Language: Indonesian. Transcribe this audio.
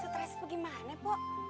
stres bagaimana pok